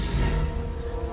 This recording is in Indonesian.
dua ribu keping emas